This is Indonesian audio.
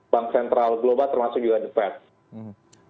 bank sentral global termasuk juga depres